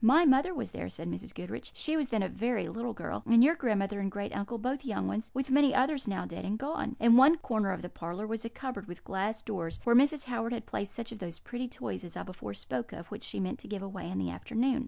My mother was there," said Mrs. Goodriche "she was then a very little girl and your grandmother and great uncle, both young ones; with many others now dead and gone. In one corner of the parlour was a cupboard with glass doors, where Mrs. Howard had placed such of those pretty toys (as I before spoke of) which she meant to give away in the afternoon.